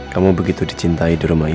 kamu begitu dicintai di rumah ini